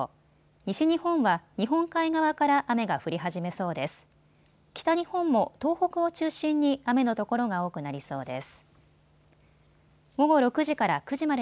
西日本は日本海側から雨が降り始めそうです。